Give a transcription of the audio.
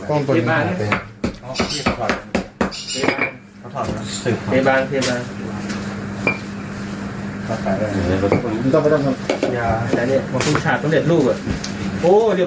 โอ้เรียบร้อยจบเลย